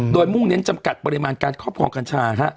โดยมุ่งเน้นจำกัดปริมาณของกัญชา